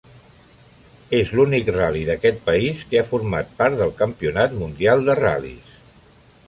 És l'únic ral·li d'aquest país que ha format part del Campionat Mundial de Ral·lis.